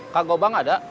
kak gobang ada